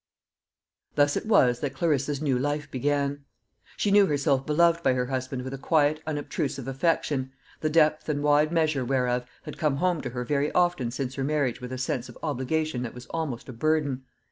Thus it was that Clarissa's new life began. She knew herself beloved by her husband with a quiet unobtrusive affection, the depth and wide measure whereof had come home to her very often since her marriage with a sense of obligation that was almost a burden.